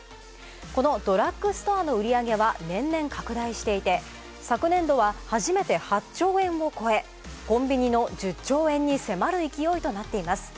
このドラッグストアの売り上げは年々拡大していて、昨年度は初めて８兆円を超えコンビニの１０兆円に迫る勢いとなっています。